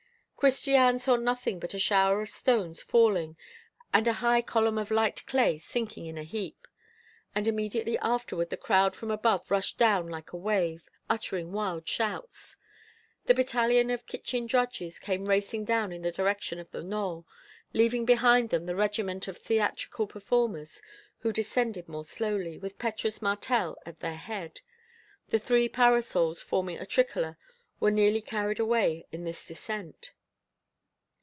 Christiane saw nothing but a shower of stones falling, and a high column of light clay sinking in a heap. And immediately afterward the crowd from above rushed down like a wave, uttering wild shouts. The battalion of kitchen drudges came racing down in the direction of the knoll, leaving behind them the regiment of theatrical performers, who descended more slowly, with Petrus Martel at their head. The three parasols forming a tricolor were nearly carried away in this descent.